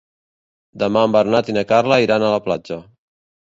Demà en Bernat i na Carla iran a la platja.